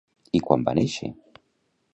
I quan va néixer?